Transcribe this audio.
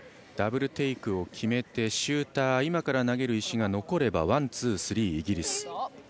ダブルテイクを決めてシューター今から投げる石が残ればワン、ツー、スリーがイギリス。